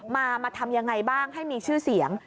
มาทำยังไงบ้างให้มีชื่อเสียง